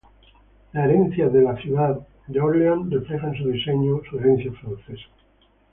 La bandera de la ciudad de Detroit refleja en su diseño su herencia francesa.